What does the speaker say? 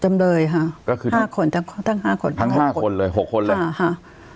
จำเลยฮะตั้ง๕คนเลย๖เขาเหรอ